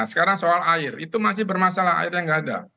sekarang soal air itu masih bermasalah air yang nggak ada